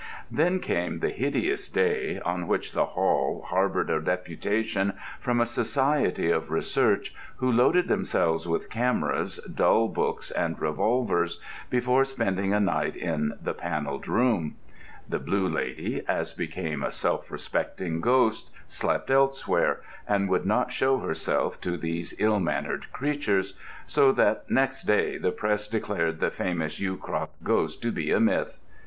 Then came the hideous day on which the Hall harboured a deputation from a Society of Research, who loaded themselves with cameras, dull books, and revolvers, before spending a night in the Panelled Room. The Blue Lady, as became a self respecting ghost, slept elsewhere, and would not show herself to these ill mannered creatures; so that next day the Press declared the famous Yewcroft ghost to be a myth.